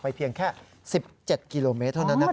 เพียงแค่๑๗กิโลเมตรเท่านั้นนะครับ